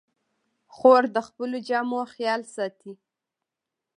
خور د خپلو جامو خیال ساتي.